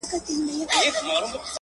چي بوډا رخصتېدی له هسپتاله،